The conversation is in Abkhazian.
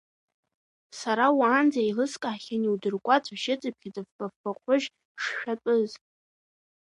Сара уаанӡа еилыскаахьан иудыркуа цәашьыцыԥхьаӡа фба-фба ҟәрышь шшәатәыз.